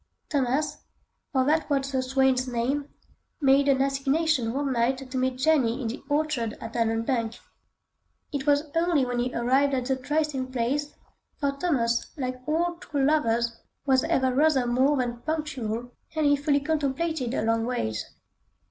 Thomas, for that was the swain's name, made an assignation one night to meet Jenny in the orchard at Allanbank. It was early when he arrived at the trysting place—for Thomas, like all true lovers, was ever rather more than punctual—and he fully contemplated a long wait.